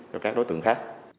cho các đối tượng khác